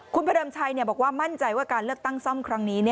คุณพระเดิมชัยบอกว่ามั่นใจว่าการเลือกตั้งซ่อมครั้งนี้